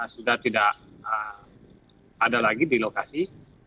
sudah tidak ada lagi di lokasi